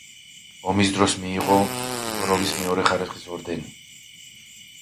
ომის დროს მიიღო სუვოროვის მეორე ხარისხის ორდენი.